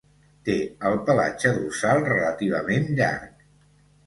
Té el pelatge dorsal relativament llarg.